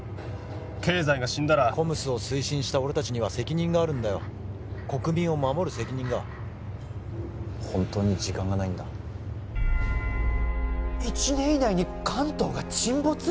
経済が死んだらＣＯＭＳを推進した俺達には責任があるんだよ国民を守る責任が本当に時間がないんだ１年以内に関東が沈没！？